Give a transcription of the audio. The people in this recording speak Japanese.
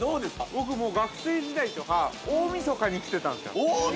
◆僕もう、学生時代とか大みそかに来てたんですよ。